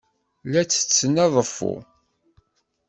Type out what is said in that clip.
La ttetten aḍeffu.